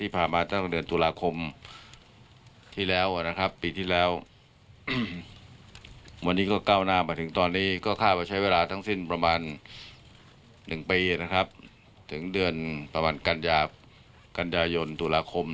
ประมาณ๑ปีถึงเดือนประมาณกันยายนตุลาคม